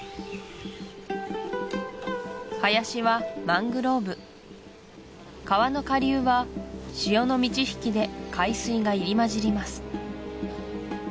林はマングローブ川の下流は潮の満ち引きで海水が入り交じります